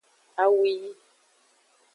Awu yi.